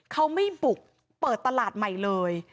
เขาไม่บุกเปิดตลาดใหม่เลย